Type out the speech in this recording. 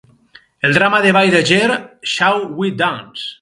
El drama de ball de Gere, "Shall We Dance?"